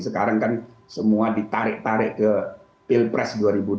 sekarang kan semua ditarik tarik ke pilpres dua ribu dua puluh